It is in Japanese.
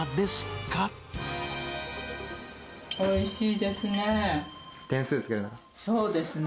おいしいですね。